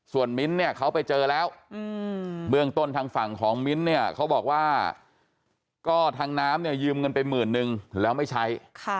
ส่วนมิ้นท์เนี่ยเขาไปเจอแล้วเบื้องต้นทางฝั่งของมิ้นท์เนี่ยเขาบอกว่าก็ทางน้ำเนี่ยยืมเงินไปหมื่นนึงแล้วไม่ใช้